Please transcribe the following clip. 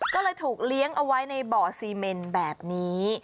ก็เลยถูกเลี้ยงเอาไว้ในบ่อซีเมนแบบนี้